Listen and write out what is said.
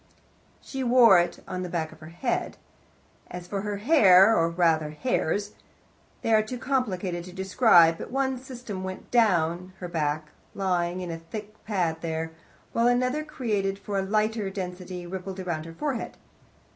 She wore it on the back of her head. As for her hair, or rather hairs, they are too complicated to describe, but one system went down her back, lying in a thick pad there, while another, created for a lighter destiny, rippled around her forehead.